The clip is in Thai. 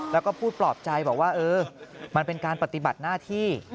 แล้วก็พูดปลอบใจบอกว่าเออมันเป็นการปฏิบัติหน้าที่